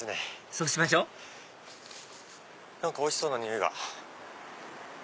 そうしましょう何かおいしそうな匂いが。